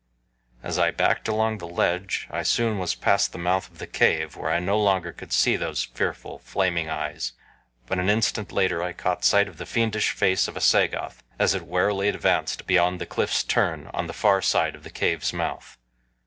As I backed along the ledge I soon was past the mouth of the cave, where I no longer could see those fearful flaming eyes, but an instant later I caught sight of the fiendish face of a Sagoth as it warily advanced beyond the cliff's turn on the far side of the cave's mouth.